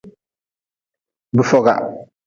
Bifoka.